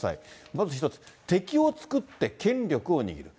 まず一つ、敵を作って権力を握る。